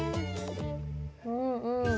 うんうん。